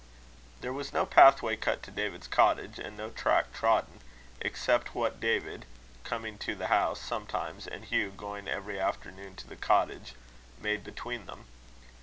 There was no pathway cut to David's cottage; and no track trodden, except what David, coming to the house sometimes, and Hugh going every afternoon to the cottage, made between them.